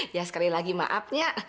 ya sekali lagi maafnya